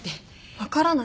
分からない？